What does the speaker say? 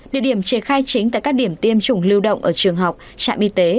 địa điểm triển khai chính tại các điểm tiêm chủng lưu động ở trường học trạm y tế